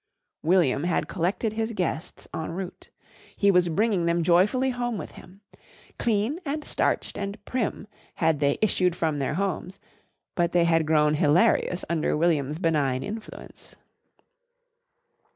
William had collected his guests en route. He was bringing them joyfully home with him. Clean and starched and prim had they issued from their homes, but they had grown hilarious under William's benign influence.